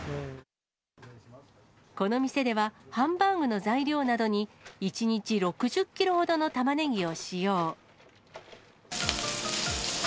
この店では、ハンバーグの材料などに１日６０キロほどのタマネギを使用。